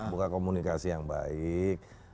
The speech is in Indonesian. buka komunikasi yang baik